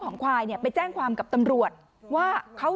สองสามีภรรยาคู่นี้มีอาชีพ